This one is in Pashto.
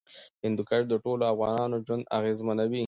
هندوکش د ټولو افغانانو ژوند اغېزمنوي.